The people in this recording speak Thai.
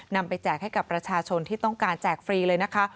นำไปแจกให้กับประชาชนที่ต้องการแจกฟรีเลยนะคะ